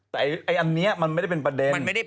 แต่อันนี้มันไม่ได้เป็นประเด็น